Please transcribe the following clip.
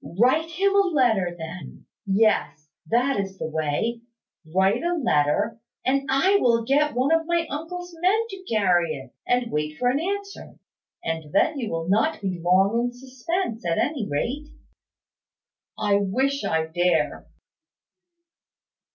"Write him a letter, then. Yes: that is the way. Write a letter, and I will get one of my uncle's men to carry it, and wait for an answer: and then you will not be long in suspense, at any rate." "I wish I dare!"